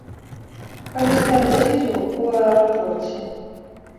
Калі ставіць візу ў аэрапорце.